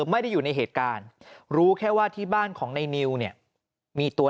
ไม่ได้อยู่ในเหตุการณ์รู้แค่ว่าที่บ้านของในนิวเนี่ยมีตัว